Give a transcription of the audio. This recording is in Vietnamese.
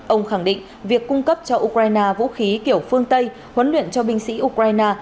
ông khẳng định việc cung cấp cho ukraine vũ khí kiểu phương tây huấn luyện cho binh sĩ ukraine